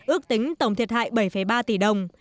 ước tính tổng thiệt hại bảy ba tỷ đồng